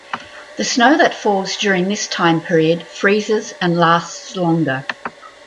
The snow that falls during this time period freezes and lasts longer.